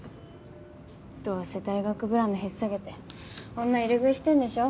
どうせ大学ブランドひっ提げて女入れ食いしてんでしょ。